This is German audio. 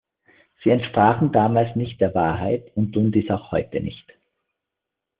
Sie entsprachen damals nicht der Wahrheit und tun dies auch heute nicht.